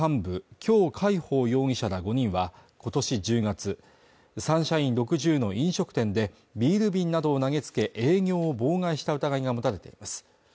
姜海鋒容疑者ら５人は今年１０月サンシャイン６０の飲食店でビール瓶などを投げつけ営業を妨害した疑いが持たれています